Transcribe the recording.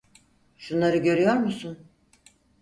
Şunları görüyor musun?